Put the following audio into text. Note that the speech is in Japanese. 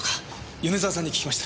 米沢さんに聞きました。